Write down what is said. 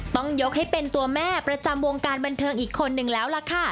ต้องยกให้เป็นตัวแม่ประจำวงการบันเทิงอีกคนนึงแล้วล่ะค่ะ